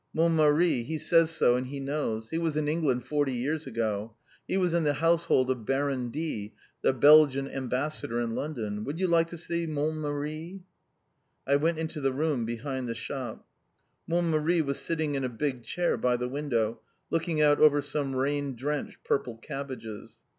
"Mon Mari, he says so, and he knows. He was in England forty years ago. He was in the household of Baron D., the Belgian Ambassador in London. Would you like to see Mon Mari." I went into the room behind the shop. Mon Mari was sitting in a big chair by the window, looking out over some rain drenched purple cabbages.